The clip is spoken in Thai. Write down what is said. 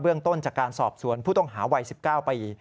เบื้องต้นจากการสอบส่วนผู้ต้องหาวัย๑๙ไป